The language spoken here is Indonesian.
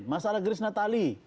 masalah geris natali